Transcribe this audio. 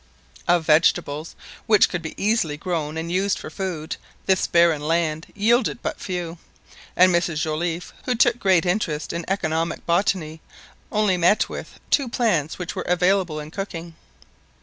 Of vegetables which could be easily grown and used for food, this barren land yielded but few; and Mrs Joliffe, who took a great interest in " economic " botany, only met with .two plants which were available in cooking.